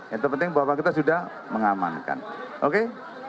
yang terpenting bahwa kita sudah mengamankan oke